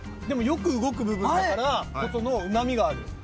でもよく動く部分だからこそのうまみがある。